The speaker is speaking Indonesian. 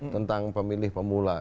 tentang pemilih pemula